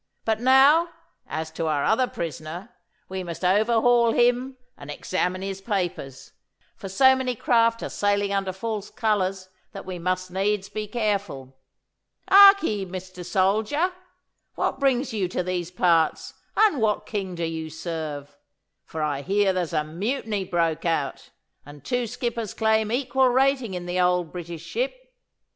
But now, as to our other prisoner: we must overhaul him and examine his papers, for so many craft are sailing under false colours that we must needs be careful. Hark ye, Mister Soldier! What brings you to these parts, and what king do you serve? for I hear there's a mutiny broke out, and two skippers claim equal rating in the old British ship.